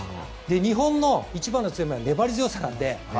日本の一番の強みは粘り強さなので。